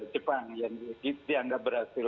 jepang yang dianggap berhasil